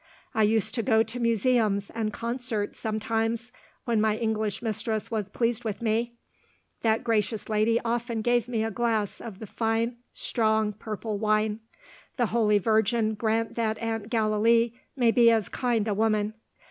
I used to go to museums and concerts sometimes, when my English mistress was pleased with me. That gracious lady often gave me a glass of the fine strong purple wine. The Holy Virgin grant that Aunt Gallilee may be as kind a woman!